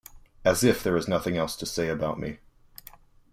As if there is nothing else to say about me.